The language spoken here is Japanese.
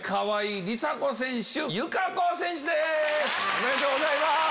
おめでとうございます！